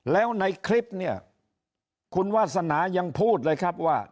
แล้วในคลิปเนี่ยคุณวาสนายังพูดเลยครับว่า